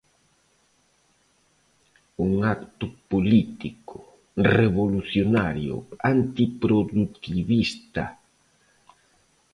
Un acto político, revolucionario, antiprodutivista.